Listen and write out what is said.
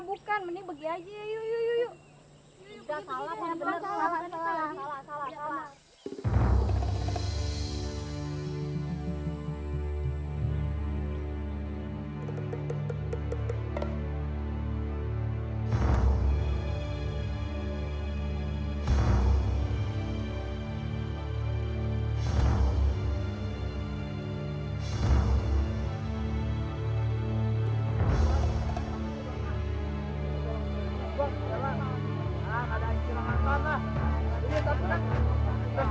bukan menipu jadi yuk yuk yuk ya salah salah salah salah salah salah salah salah salah